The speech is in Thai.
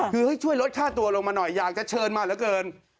คือให้ช่วยลดค่าตัวลงมาหน่อยอยากจะเชิญมาเหลือเกิน